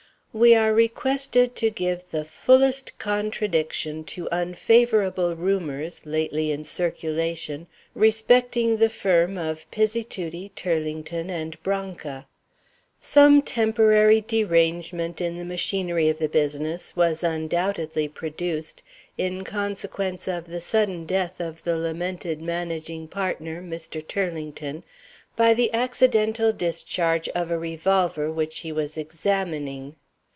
"We are requested to give the fullest contradiction to unfavorable rumors lately in circulation respecting the firm of Pizzituti, Turlington, and Branca. Some temporary derangement in the machinery of the business was undoubtedly produced in consequence of the sudden death of the lamented managing partner, Mr. Turlington, by the accidental discharge of a revolver which he was examining.